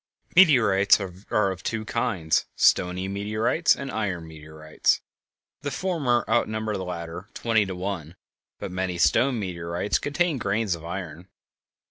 Meteorites are of two kinds: stony meteorites and iron meteorites. The former outnumber the latter twenty to one; but many stone meteorites contain grains of iron.